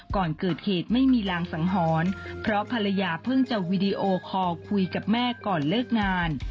ก่อนเกิดเหตุไม่มีรางสังหรณ์เพราะภรรยาเพิ่งจะวีดีโอคอลคุยกับแม่ก่อนเลิกงาน